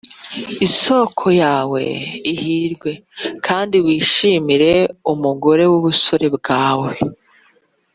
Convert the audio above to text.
isōko yawe ihirwe, kandi wishimire umugore w’ubusore bwawe